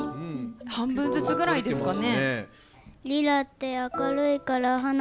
半分ずつぐらいですかね。